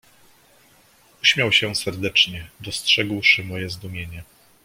"Uśmiał się serdecznie, dostrzegłszy moje zdumienie."